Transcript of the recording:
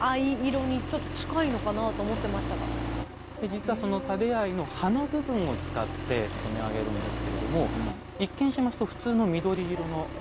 実はそのタデアイの葉の部分を使って染め上げるんですけれども一見しますと普通の緑色の葉っぱですよね。